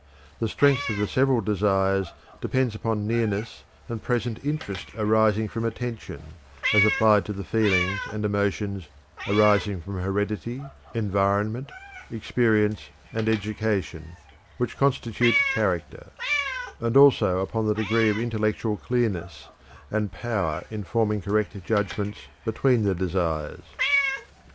The strength of the several desires depends upon nearness and present interest arising from attention, as applied to the feelings and emotions arising from heredity, environment, experience, and education, which constitute character; and also upon the degree of intellectual clearness and power in forming correct judgments between the desires.